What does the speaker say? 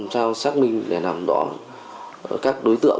sao xác minh để làm đoán các đối tượng